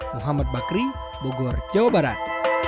muhammad bakri bogor jawa barat